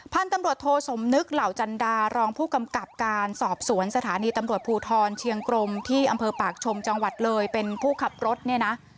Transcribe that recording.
พันธุ์ตำรวจโทสมนึกเหล่าจันดารองผู้กำกับการสอบสวนสถานีตำรวจภูทรเชียงกรมที่อำเภอปากชมจังหวัดเลยเป็นผู้ขับรถเนี่ยนะ